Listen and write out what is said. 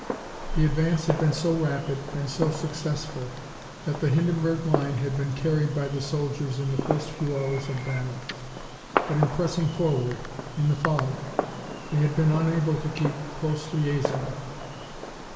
The advance had been so rapid, and so successful, that the Hindenburg Line had been carried by the soldiers in the first few hours of battle. But in pressing forward, in the fog, they had been unable to keep in close liaison.